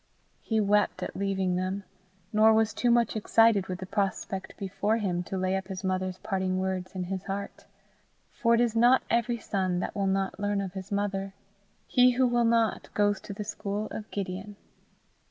He wept at leaving them, nor was too much excited with the prospect before him to lay up his mother's parting words in his heart. For it is not every son that will not learn of his mother. He who will not goes to the school of Gideon.